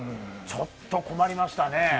ちょっと困りましたね。